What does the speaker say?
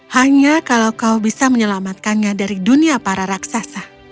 hanya kalau kau bisa menyelamatkannya dari dunia para raksasa